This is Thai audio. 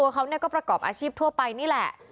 เขาก็ประกอบอาชีพทั่วไปนี่แหละ